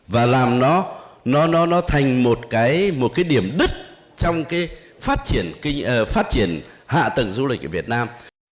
và làm nó thành một cái điểm đứt trong phát triển hạ tầng du lịch việt nam